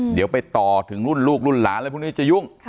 เดี๋ยวไปต่อถึงรุ่นลูกรุ่นหลานอะไรพวกนี้จะยุ่ง